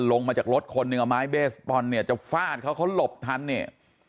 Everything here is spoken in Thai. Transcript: ลงมาจากรถคนหนึ่งเอาไม้เบสบอลเนี่ยจะฟาดเขาเขาหลบทันเนี่ย